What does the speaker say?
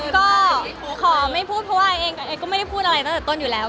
ก็ขอไม่พูดเพราะว่าเองก็ไม่ได้พูดอะไรตั้งแต่ต้นอยู่แล้ว